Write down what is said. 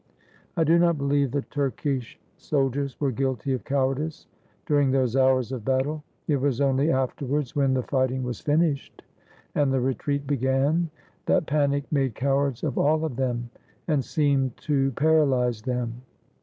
I do not believe the Turkish soldiers were guilty of cowardice during those hours of battle. It was only afterwards, when the fighting was finished and the re treat began, that panic made cowards of all of them and seemed to paralyze them.